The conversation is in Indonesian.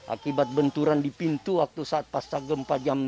akibat benturan di pintu waktu saat pasca gempa jam dua